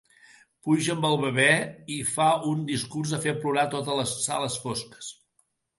Puja amb el bebè, i fa un discurs a fer plorar totes les sales fosques.